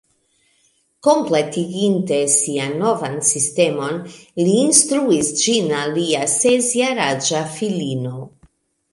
Kompletiginte sian novan sistemon, li instruis ĝin al lia ses jaraĝa filino